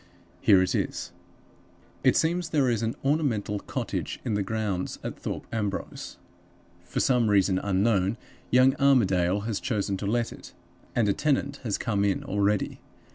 Here it is. "It seems there is an ornamental cottage in the grounds at Thorpe Ambrose. For some reason unknown, young Armadale has chosen to let it, and a tenant has come in already.